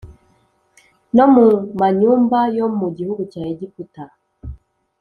no mu manyumba yo mu gihugu cya Egiputa